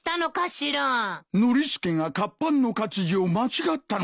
ノリスケが活版の活字を間違ったのか。